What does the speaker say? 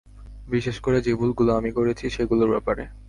বিশেষ করে, যে ভুলগুলো আমি করেছি সেগুলোর ব্যাপারে।